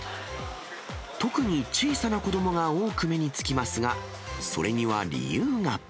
特に小さな子どもが多く目につきますが、それには理由が。